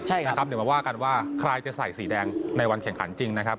เดี๋ยวมาว่ากันว่าใครจะใส่สีแดงในวันแข่งขันจริงนะครับ